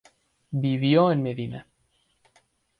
Vivió en Medina.